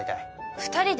２人で？